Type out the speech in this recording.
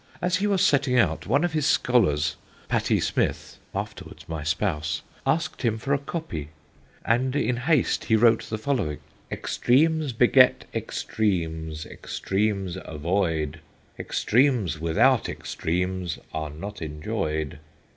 As he was setting out, one of his Scollers, Patty Smith (afterwards my Spouse) asked him for a Coppy, and in haste he wrote the following: Extreames beget Extreames, Extreames avoid Extreames without Extreames are not Enjoyed.